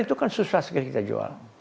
itu kan susah sekali kita jual